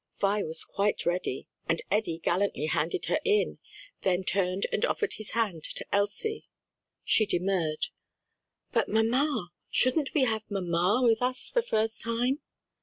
Vi was quite ready and Eddie gallantly handed her in, then turned and offered his hand to Elsie. She demurred. "But mamma! shouldn't we have mamma with us the first time?"